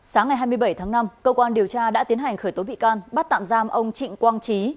sáng ngày hai mươi bảy tháng năm cơ quan điều tra đã tiến hành khởi tố bị can bắt tạm giam ông trịnh quang trí